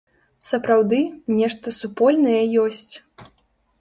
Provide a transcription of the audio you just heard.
Сапраўды, нешта супольнае ёсць.